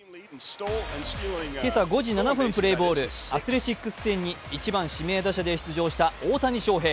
今朝５時７分プレーボール、２アスレチックス戦に１番・指名打者で出場した大谷翔平。